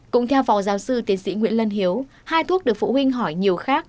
cũng theo phó giáo sư tiến sĩ nguyễn lân hiếu hai thuốc được phụ huynh hỏi nhiều khác